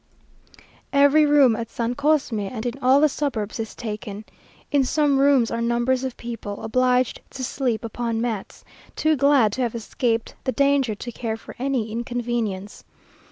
Every room at San Cosme and in all the suburbs is taken. In some rooms are numbers of people, obliged to sleep upon mats, too glad to have escaped the danger to care for any inconvenience.